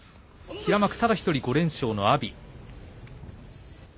平幕、ただ１人、５連勝の阿炎。